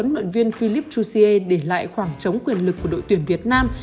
với huấn luyện viên philip chu siê để lại khoảng trống quyền lực của đội tuyển việt nam